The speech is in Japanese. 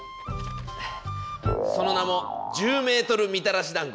その名も「１０ｍみたらしだんご」。